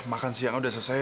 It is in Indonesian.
makan siang udah selesai